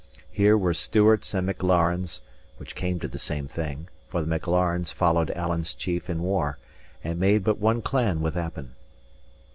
Here were Stewarts and Maclarens, which came to the same thing, for the Maclarens followed Alan's chief in war, and made but one clan with Appin.